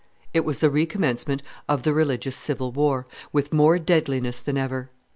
It was the recommencement of religious civil war, with more deadliness than ever.